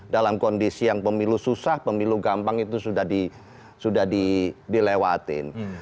dalam kondisi yang pemilu susah pemilu gampang itu sudah dilewatin